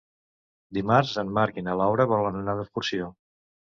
Dimarts en Marc i na Laura volen anar d'excursió.